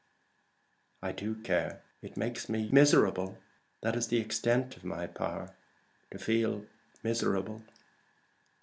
"I do care. It makes me miserable. That is the extent of my power to feel miserable."